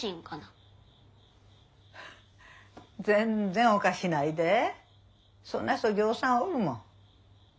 全然おかしないでそんな人ぎょうさんおるもん。